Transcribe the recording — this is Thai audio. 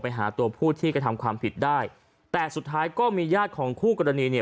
หาตัวผู้ที่กระทำความผิดได้แต่สุดท้ายก็มีญาติของคู่กรณีเนี่ย